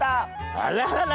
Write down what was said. あららら。